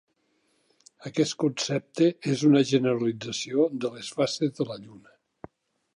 Aquest concepte és una generalització de les fases de la lluna.